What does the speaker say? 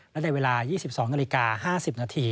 และในเวลา๒๒น๕๐น